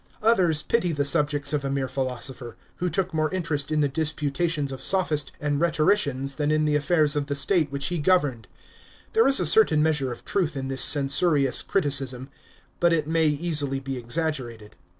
Others pity the subjects of a mere pl.il'SOpher, who took more interest in the disputations of sopl lists and rhetors ciansthan in the affairs of the state which he ^oven ed. There is a certain measure of truth in this censorious criticisu j, but it may easily be exaggerated.